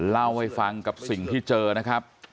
เล่าให้ฟังกับสิ่งที่เจอนะครับ